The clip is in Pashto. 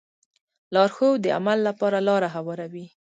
لارښود د عمل لپاره لاره هواروي.